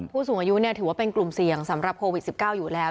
ชีวิตสูงอายุแถวว่ากลุ่มเสียงสำหรับโควิด๑๙อยู่แล้ว